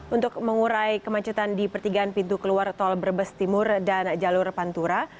untuk mengurai kemacetan di pertigaan pintu keluar tol brebes timur dan jalur pantura